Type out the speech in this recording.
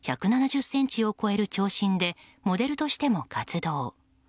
１７０ｃｍを超える長身でモデルとしても活動。